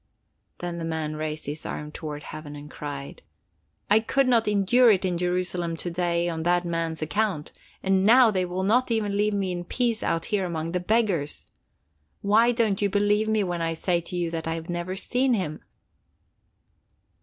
Then the man raised his arms toward heaven and cried: "I could not endure it in Jerusalem to day on that man's account, and now they will not even leave me in peace out here among the beggars! Why don't you believe me when I say to you that I have never seen him?"